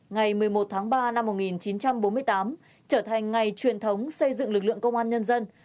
ngày một mươi một tháng ba năm một nghìn chín trăm bốn mươi tám trở thành ngày truyền thống xây dựng lực lượng công an nhân dân